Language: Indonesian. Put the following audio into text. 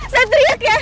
saya teriak ya